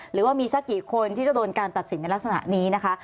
หรือว่ามีสักกี่คนที่จะโดนการตัดสินในลักษณะนี้นะคะ